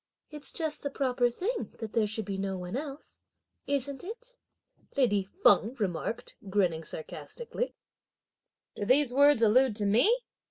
"It's just the proper thing that there should be no one else! Isn't it?" lady Feng remarked grinning sarcastically. "Do these words allude to me?"